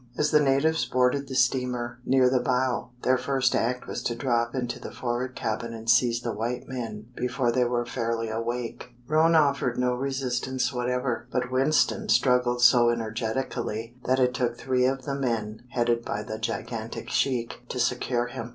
As the natives boarded the steamer near the bow, their first act was to drop into the forward cabin and seize the white men before they were fairly awake. Roane offered no resistance whatever, but Winston struggled so energetically that it took three of the men, headed by the gigantic sheik, to secure him.